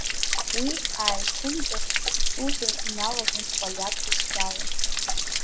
Уи ааиқәымтәацт шухәо иналагон полиак бызшәала.